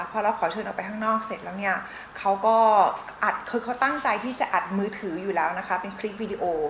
พอเราขอเชิญออกไปข้างนอกเสร็จแล้วเนี่ยเขาก็อัดคือเขาตั้งใจที่จะอัดมือถืออยู่แล้วนะคะเป็นคลิปวีดีโอ